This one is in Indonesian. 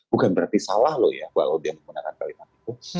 bukan berarti salah loh ya bahwa dia menggunakan kalimat itu